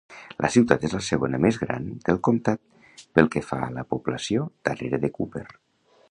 La ciutat és la segona més gran del comtat, pel que fa a la població, darrere de Cooper.